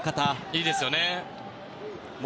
いいですよね。